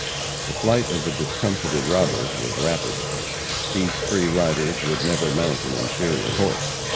The flight of the discomfited robbers was rapid. These free riders would never mount an inferior horse.